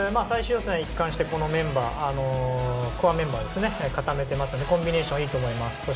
最終予選、一貫してこのメンバーでコアメンバーを固めていますのでコンビネーションはいいと思います。